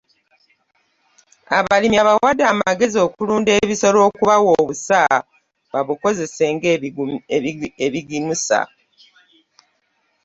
Abalimi abawadde amagezi okulunda ebisolo okubawa obusa babukozese ng'ebigimusa.